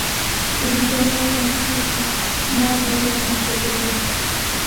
په برېتانیا او اتلانتیک کې استعمار ډله رامنځته کړې وه.